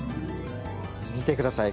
見てください！